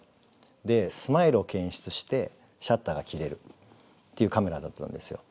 でスマイルを検出してシャッターが切れるっていうカメラだったんですよ。